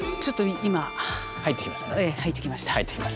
入ってきましたね。